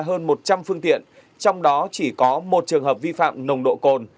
tổ công tác đã kiểm tra hơn một trăm linh phương tiện trong đó chỉ có một trường hợp vi phạm nồng độ cồn